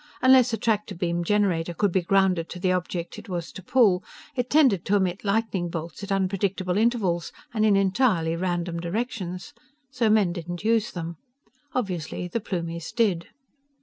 Unless a tractor beam generator could be grounded to the object it was to pull, it tended to emit lightning bolts at unpredictable intervals and in entirely random directions. So men didn't use them. Obviously, the Plumies did.